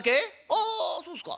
ああそうっすか。